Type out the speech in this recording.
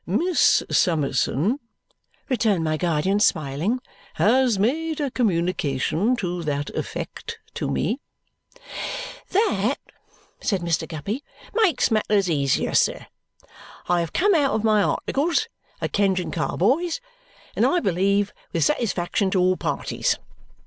"Miss Summerson," returned my guardian, smiling, "has made a communication to that effect to me." "That," said Mr. Guppy, "makes matters easier. Sir, I have come out of my articles at Kenge and Carboy's, and I believe with satisfaction to all parties.